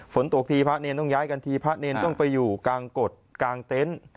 ฝนตกทีพระเนรต้องย้ายกันทีพระเนรต้องไปอยู่กลางกฎกลางเต็นต์